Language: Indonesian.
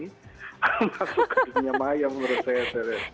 masuk ke dunia maya menurut saya